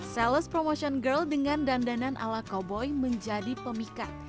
salah promotion girl dengan dandanan ala cowboy menjadi pemikat